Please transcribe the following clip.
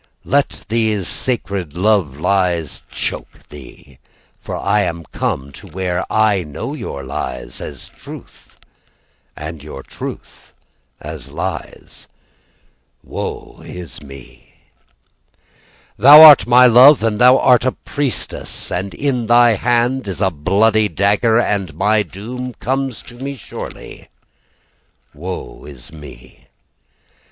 Let these sacred love lies choke thee, From I am come to where I know your lies as truth And you truth as lies Woe is me. Thou art my love, And thou art a priestess, And in they hand is a bloody dagger, And my doom comes to me surely Woe is me.